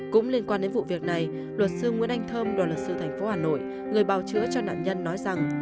cũng liên quan đến vụ việc này luật sư nguyễn anh thơm đoàn luật sư thành phố hà nội người bào chữa cho nạn nhân nói rằng